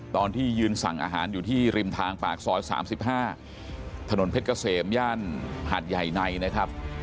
ตอนที่ยืนสั่งอาหารอยู่ที่ริมทางปากซอย๓๕ถนนเพชรเกษมย่านหาดใหญ่ในนะครับ